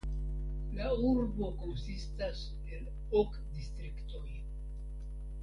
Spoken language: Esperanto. La urbo konsistas el ok distriktoj.